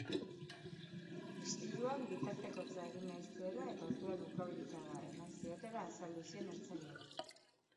Istiluan bitartekotza egin nahi zuela eta orduan ukabilkada eman ziotela azaldu zien ertzainei.